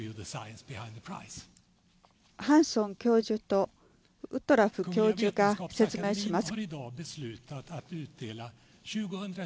ハンソン教授とウトラフ教授が説明します。